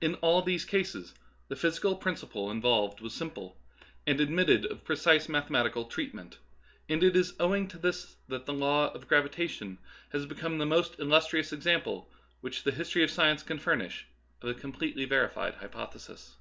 In all these cases the physical principle involved 10 Darwinism and Other Essays, was simple, and admitted of precise mathematical treatment ; and it is owing to this that the law of gravitation has become the most illustrious exam ple which the history of science can furnish of a completely verified hypothesis.